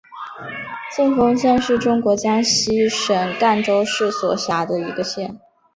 信丰县是中国江西省赣州市所辖的一个县。